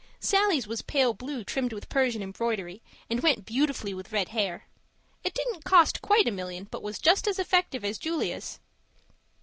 Sallie's was pale blue trimmed with Persian embroidery, and went beautifully with red hair. It didn't cost quite a million, but was just as effective as Julia's.